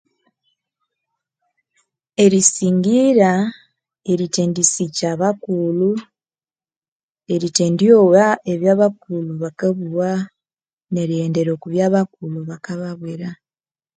Erisingira erithendisikya abakulhu erithendyogha ebya bakulhu bakabugha nerighendera Kwa bya bakulhu bakabugha